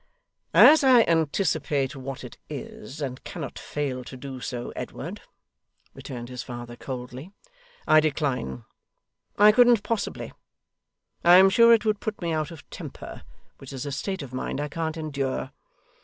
'As I anticipate what it is, and cannot fail to do so, Edward,' returned his father coldly, 'I decline. I couldn't possibly. I am sure it would put me out of temper, which is a state of mind I can't endure.